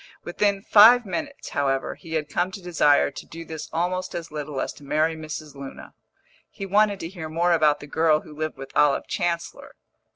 Within five minutes, however, he had come to desire to do this almost as little as to marry Mrs. Luna. He wanted to hear more about the girl who lived with Olive Chancellor.